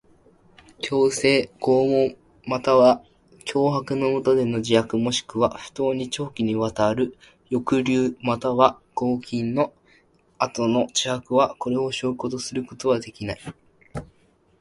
強制、拷問または脅迫のもとでの自白もしくは不当に長期にわたる抑留または拘禁の後の自白は、これを証拠とすることはできない。